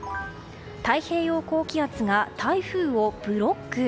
太平洋高気圧が台風をブロック。